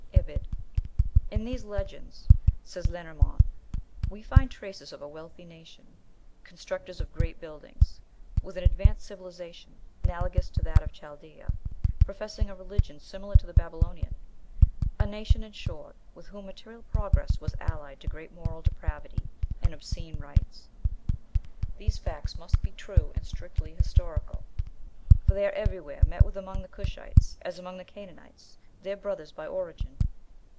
(Ibid.) "In these legends," says Lenormant, "we find traces of a wealthy nation, constructors of great buildings, with an advanced civilization, analogous to that of Chaldea, professing a religion similar to the Babylonian; a nation, in short, with whom material progress was allied to great moral depravity and obscene rites. These facts must be true and strictly historical, for they are everywhere met with among the Cushites, as among the Canaanites, their brothers by origin."